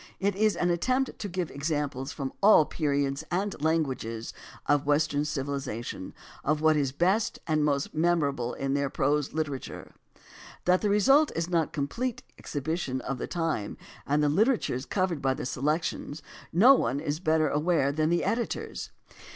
It is an attempt to give examples from all periods and languages of Western civilization of what is best and most memorable in their prose literature. That 230 AS TO ANTHOLOGIES the result is not a complete exhibition of the time and the literatures covered by the selections no one is better aware than the editors.